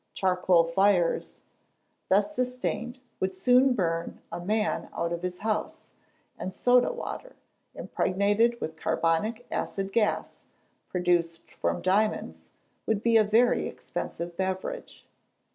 Charcoal fires, thus sustained, would soon burn a man out of his house; and soda water, impregnated with carbonic acid gas, produced from diamonds, would be a very expensive beverage.